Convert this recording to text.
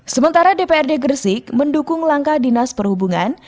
sementara dprd gresik mendukung langkah dinas perhubungan